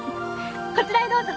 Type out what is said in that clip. こちらへどうぞ。